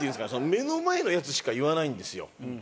目の前のやつしか言わないんですよ。